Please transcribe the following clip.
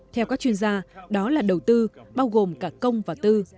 theo các chuyên gia đó là đầu tư bao gồm cả công và tư